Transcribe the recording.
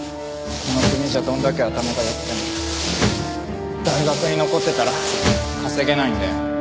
この国じゃどんだけ頭が良くても大学に残ってたら稼げないんだよ。